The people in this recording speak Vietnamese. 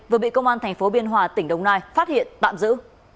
vừa bị công an tp biên hòa tỉnh đồng nai phát hiện tạm giữ